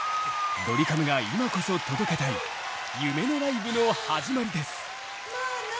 ドリカムが今こそ届けたい夢のライブの始まりです。